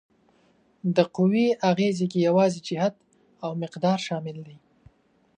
د قوې اغیزې کې یوازې جهت او مقدار شامل دي؟